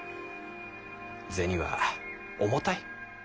銭は重たい。